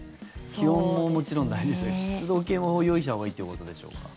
気温も、もちろん大事ですが湿度計も用意したほうがいいということでしょうか。